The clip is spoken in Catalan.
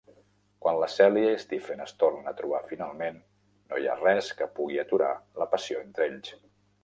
Quan la Celia i Stephen es tornen a trobar finalment, no hi ha res que pugui aturar la passió entre ells.